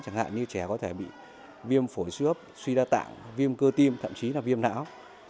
chẳng hạn như trẻ có thể bị viêm phổi suốt suy đa tạng viêm cơ tim thậm chí là viêm não